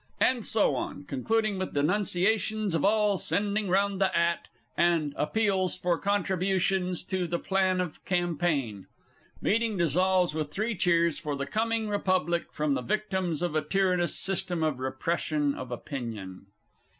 [_And so on, concluding with denunciations of all "sending round the 'at," and appeals for contributions to the Plan of Campaign. Meeting dissolves with three cheers for the coming Republic from the victims of a Tyrannous System of Repression of Opinion.